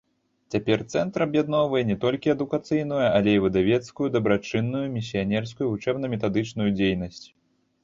Цяпер цэнтр аб'ядноўвае не толькі адукацыйную, але і выдавецкую, дабрачынную, місіянерскую, вучэбна-метадычную дзейнасць.